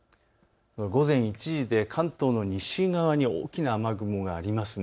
午前１時で関東の西側に大きな雨雲があります。